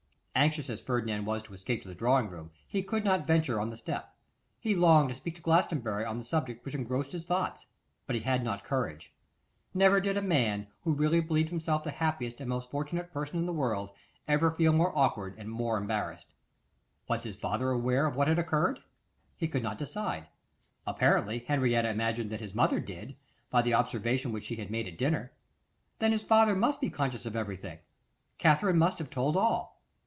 Anxious as Ferdinand was to escape to the drawing room, he could not venture on the step. He longed to speak to Glastonbury on the subject which engrossed his thoughts, but he had not courage. Never did a man, who really believed himself the happiest and most fortunate person in the world, ever feel more awkward and more embarrassed. Was his father aware of what had occurred? He could not decide. Apparently, Henrietta imagined that his mother did, by the observation which she had made at dinner. Then his father must be conscious of everything. Katherine must have told all.